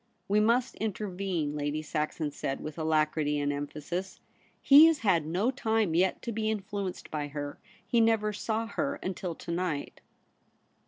' We must intervene,' Lady Saxon said with alacrity and emphasis. ' He has had no time yet to be influenced by her. He never saw her until to night.'